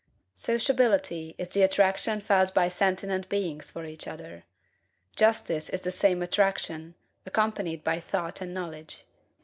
Sociability is the attraction felt by sentient beings for each other. Justice is this same attraction, accompanied by thought and knowledge.